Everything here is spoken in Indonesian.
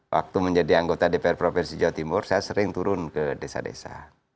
waktu menjadi anggota dpr provinsi jawa timur saya sering turun ke desa desa